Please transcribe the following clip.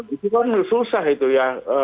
itu kan susah itu ya